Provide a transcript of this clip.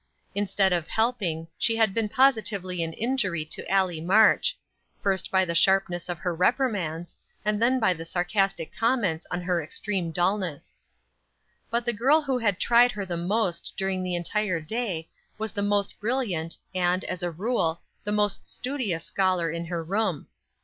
Instead of helping, she had been positively an injury to Allie March; first by the sharpness of her reprimands, and then by sarcastic comments on her extreme dullness. But the girl who had tried her the most during the entire day was the most brilliant, and, as a rule, the most studious scholar in her room.